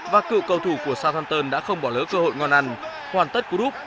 và cựu cầu thủ của southampton đã không bỏ lỡ cơ hội ngon ăn hoàn tất cú đúc